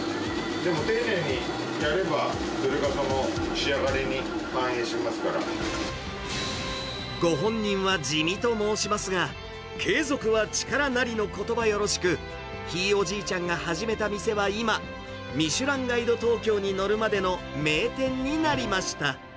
でも丁寧にやれば、ご本人は地味と申しますが、継続は力なりのことばよろしく、ひいおじいちゃんが始めた店は今、ミシュランガイド東京に載るまでの名店になりました。